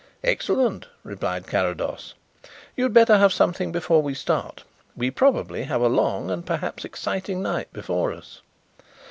"Excellent," replied Carrados. "You'd better have something before we start. We probably have a long and perhaps an exciting night before us."